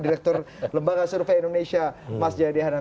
direktur lembaga survei indonesia mas jaya dehanan